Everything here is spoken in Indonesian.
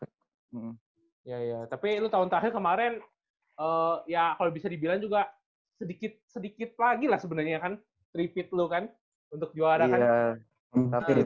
iya iya tapi lu tahun tahun kemarin ya kalau bisa dibilang juga sedikit sedikit lagi lah sebenarnya kan trifit lu kan untuk juara kan